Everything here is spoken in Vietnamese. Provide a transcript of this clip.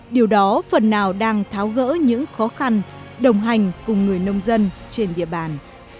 điều đó phần nào đang tháo gỡ những khó khăn đồng hành cùng người nông dân trên địa bàn